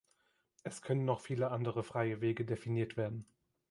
Es können noch viele andere freie Wege definiert werden.